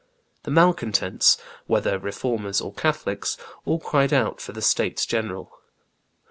The malcontents, whether Reformers or Catholics, all cried out for the states general.